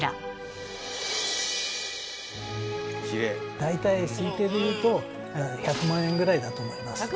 大体推定でいうと１００万円ぐらいだと思います。